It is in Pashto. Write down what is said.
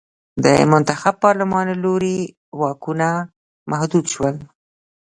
د منتخب پارلمان له لوري واکونه محدود شول.